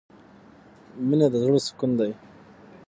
مینه د زړه سکون دی.